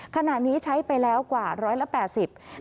ขณะนี้ใช้ไปแล้วกว่า๑๘๐เตียง